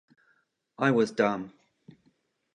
I was dumb.